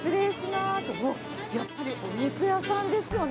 あっ、やっぱりお肉屋さんですよね。